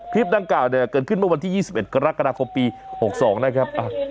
คลิปนั้นเกิดขึ้นเมื่อวันที่๒๑กรกฎาคมปี๑๙๖๒นะครับ